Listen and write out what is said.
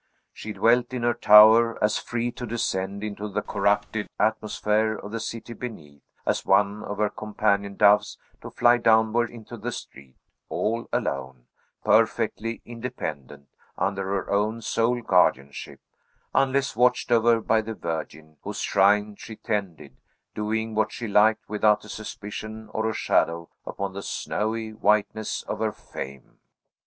She dwelt in her tower, as free to descend into the corrupted atmosphere of the city beneath, as one of her companion doves to fly downward into the street; all alone, perfectly independent, under her own sole guardianship, unless watched over by the Virgin, whose shrine she tended; doing what she liked without a suspicion or a shadow upon the snowy whiteness of her fame.